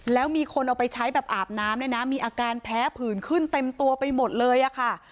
แล้วมีคนเอาไปใช้แบบอาบน้ำด้วยนะมีอาการแพ้ผื่นขึ้นเต็มตัวไปหมดเลยอะค่ะ